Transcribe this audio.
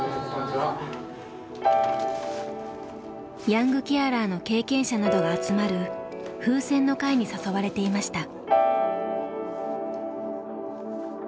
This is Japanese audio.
ヤングケアラーの経験者などが集まるふうせんの会に誘われていました。